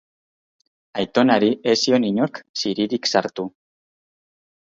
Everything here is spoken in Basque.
Aitonari ez zion inork ziririk sartu.